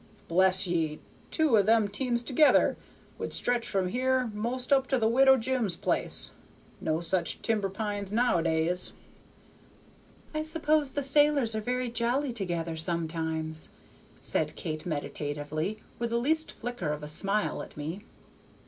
Bless ye! two o' them teams together would stretch from here 'most up to the Widow Jim's place, no such timber pines nowadays." "I suppose the sailors are very jolly together sometimes," said Kate, meditatively, with the least flicker of a smile at me.